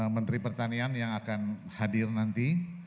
menteri pertanian yang akan hadir nanti